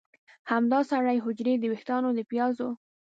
همدا سرې حجرې د ویښتانو د پیازو